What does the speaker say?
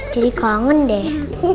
jadi kangen deh